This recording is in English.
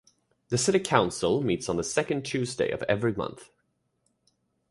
The City Council meets on the second Tuesday of every month.